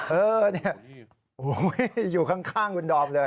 เอออยู่ข้างคุณดอมเลย